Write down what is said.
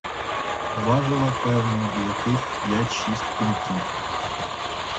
Важила, певно, яких п'ять-шість фунтів.